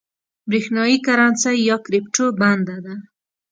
برېښنايي کرنسۍ یا کريپټو بنده ده